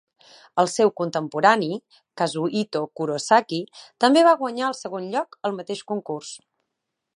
El seu contemporani, Kazuhito Kurosaki, també va guanyar el segon lloc al mateix concurs.